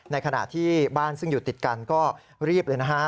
ในขณะที่บ้านซึ่งอยู่ติดกันก็รีบเลยนะฮะ